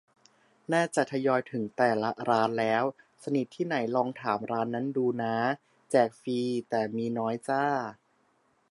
น่าจะทยอยถึงแต่ละร้านแล้ว สนิทที่ไหนลองถามร้านนั้นดูน้า แจกฟรี แต่มีน้อยจ้า